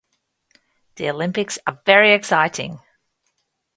The Olympics are very exciting.